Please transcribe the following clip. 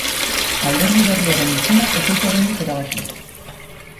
Alderdi berriaren izena ez dute oraindik erabaki.